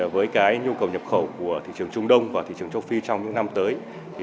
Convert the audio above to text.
với nhu cầu nhập khẩu của thị trường trung đông và thị trường châu phi trong những năm tới